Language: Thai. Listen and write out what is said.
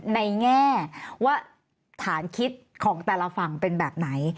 แง่ว่าฐานคิดของแต่ละฝั่งเป็นแบบไหน